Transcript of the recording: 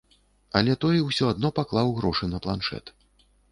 Але той усё адно паклаў грошы на планшэт.